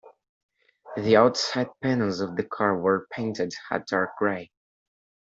The outside panels of the car were painted a dark grey.